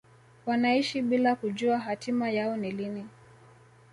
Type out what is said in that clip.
wanaishi bila kujua hatima yao ni lini